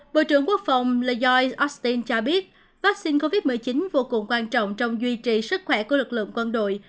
bộ trưởng quốc phòng lay austin cho biết vaccine covid một mươi chín vô cùng quan trọng trong duy trì sức khỏe của lực lượng quân đội